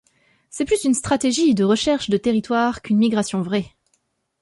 C'est plus une stratégie de recherche de territoire qu'une migration vraie.